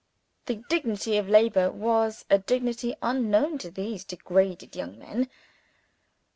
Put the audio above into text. The dignity of labor was a dignity unknown to these degraded young men.